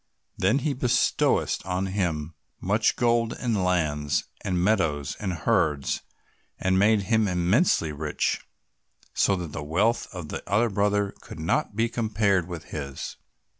Then he bestowed on him much gold, and lands, and meadows, and herds, and made him immensely rich, so that the wealth of the other brother could not be compared with his.